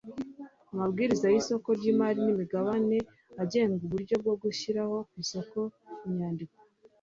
amabwiriza y isoko ry imari n imigabane agenga uburyo bwo gushyira ku isoko inyandiko